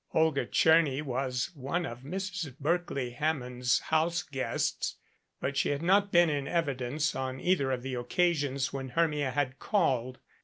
Olga Tcherny was one of Mrs 297 MADCAP Berkeley Hammond's house guests, but she had not been in evidence on either of the occasions when Hermia had called.